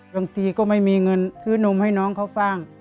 บางทีก็ไม่มีเงินซื้อนมให้น้องเขาฟ่าง